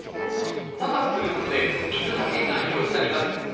高くすることで水はけが良くなります。